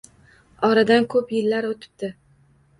Oradan ko’p yillar o’tibdi.